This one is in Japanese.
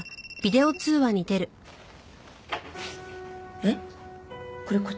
えっ？